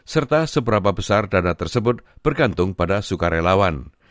serta seberapa besar dana tersebut bergantung pada sukarelawan